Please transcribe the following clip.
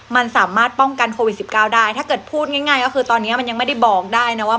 มันสามารถป้องกันโควิด๑๙ได้ถ้าเกิดพูดง่ายก็คือตอนนี้มันยังไม่ได้บอกได้นะว่า